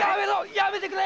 やめてくれ！